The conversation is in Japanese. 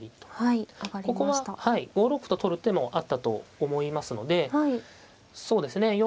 ここは５六歩と取る手もあったと思いますのでそうですね